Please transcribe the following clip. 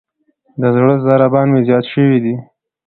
د زړه ضربان مې زیات شوئ دی.